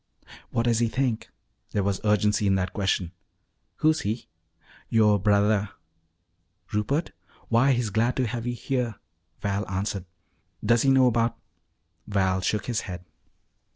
"What does he think?" There was urgency in that question. "Who's he?" "Yo' brothah." "Rupert? Why, he's glad to have you here," Val answered. "Does he know 'bout " Val shook his head.